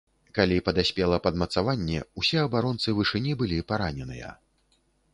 Калі падаспела падмацаванне, усе абаронцы вышыні былі параненыя.